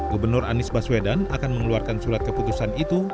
gubernur anies baswedan akan mengeluarkan surat keputusan itu